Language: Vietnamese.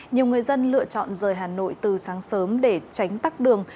nhiều người dân lựa chọn rời hà nội từ sáng sớm để tránh tắc đường